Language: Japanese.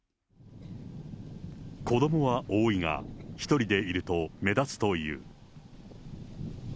子どもは多いが、１人でいると目立つという。